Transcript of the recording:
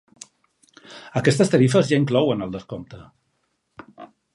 Aquestes tarifes ja inclouen el descompte.